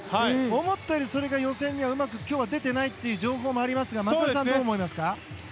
思ったより、それが予選には今日はうまく出ていないという情報もありますが松田さんはどう思いますか？